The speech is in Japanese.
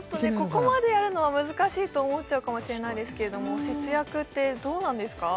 ここまでやるのは難しいと思っちゃうかもしれないですけれども節約ってどうなんですか？